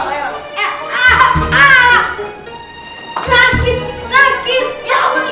mau gede mau masuk ke tempatnya doang